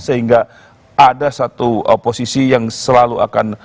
sehingga ada satu oposisi yang selalu akan